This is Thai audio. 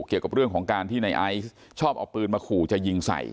เกี่ยวกับเรื่องของการที่ในไอซ์ชอบเอาปืนมาขู่จะยิงใส่